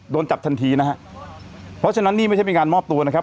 โดนจับทันทีนะฮะเพราะฉะนั้นนี่ไม่ใช่เป็นการมอบตัวนะครับ